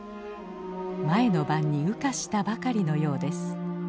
前の晩に羽化したばかりのようです。